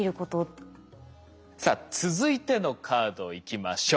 さあ続いてのカードいきましょう。